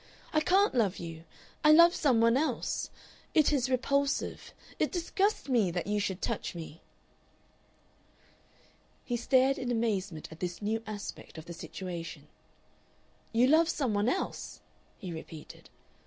I can't love you. I love some one else. It is repulsive. It disgusts me that you should touch me." He stared in amazement at this new aspect of the situation. "You love some one else?" he repeated.